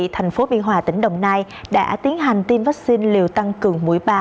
thành phố biên hòa tỉnh đồng nai đã tiến hành tiêm vaccine liều tăng cường mũi ba